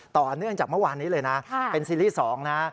ต่อเนื่องจากเมื่อวานนี้เลยนะเป็นซีรีส์๒นะ